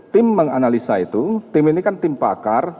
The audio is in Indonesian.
tim menganalisa itu tim ini kan tim pakar